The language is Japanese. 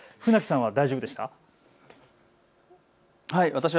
船木さんは大丈夫でしたか。